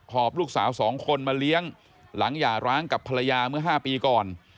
อบลูกสาว๒คนมาเลี้ยงหลังหย่าร้างกับภรรยาเมื่อ๕ปีก่อน